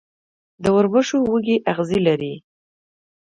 د وربشو وږی اغزي لري.